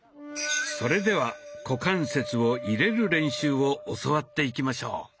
それでは「股関節を入れる」練習を教わっていきしょう。